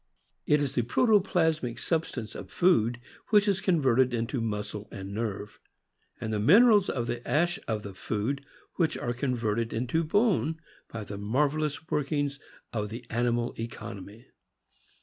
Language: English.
It is the protoplasmic substance of food which is converted into muscle and nerve, and the minerals of the ash of the food which are converted into bone, by the marvel ous workings of the animal economy.